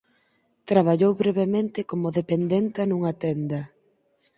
Traballou brevemente como dependenta nunha tenda.